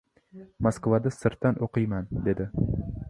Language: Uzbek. Moskvada sirtdan o‘qiyman, — dedi.